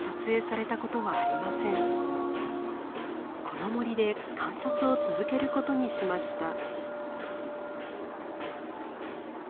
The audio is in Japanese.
この森で観察を続けることにしました。